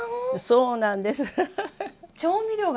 そうなんです。